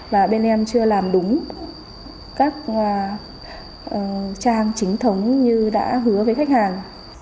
và bên em chưa làm đúng các trang chính thống như đã hứa với khách hàng